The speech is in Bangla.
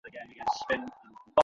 আজ বড্ড নাচন-কুদন হলো, তাই না?